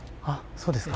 そうですか。